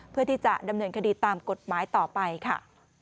เพื่อที่จะดำเนินคดีตามกฎหมายต่อไปค่ะ